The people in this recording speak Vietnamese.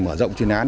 mở rộng chuyên án